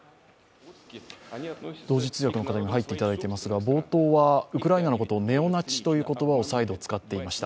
同時通訳の方にも入っていただいていましたが、冒頭はウクライナのことをネオナチという言葉を再度使っていました。